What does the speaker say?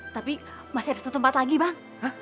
tapi masih ada satu tempat lagi bang